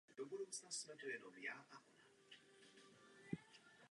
Zvyšování výdajů na výzkum a inovace má své oprávnění.